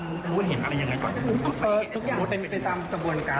เรายื้อนยันว่าสิ่งที่เราคือเมื่อที่มันถูกต้องหรือว่า